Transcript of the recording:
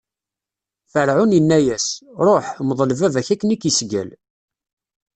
Ferɛun inna-as: Ṛuḥ, mḍel baba-k akken i k-isgall.